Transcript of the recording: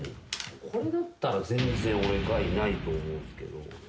これだったら全然俺害ないと思うんすけど。